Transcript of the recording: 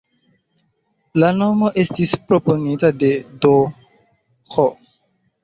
La nomo estis proponita de "D.-h.